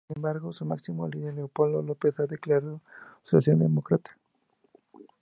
Sin embargo su máximo líder, Leopoldo López, se ha declarado socialdemócrata.